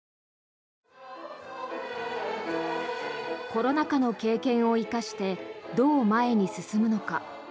コロナ禍の経験を生かしてどう前に進むのか。